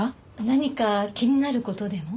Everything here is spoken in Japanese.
何か気になる事でも？